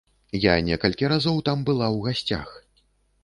Я некалькі разоў там была ў гасцях.